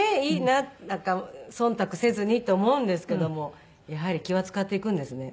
なんか忖度せずにって思うんですけどもやはり気は使っていくんですね。